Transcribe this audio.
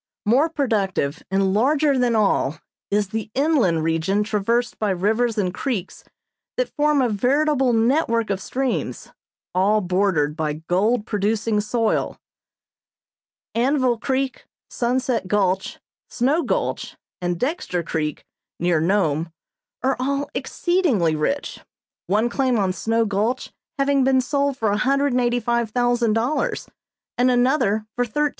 More productive and larger than all is the inland region traversed by rivers and creeks that form a veritable network of streams, all bordered by gold producing soil. Anvil Creek, Sunset Gulch, Snow Gulch and Dexter Creek, near Nome, are all exceedingly rich; one claim on Snow Gulch having been sold for $185,000, and another for $13,000.